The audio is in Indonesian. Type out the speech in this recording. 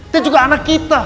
dan juga anak kita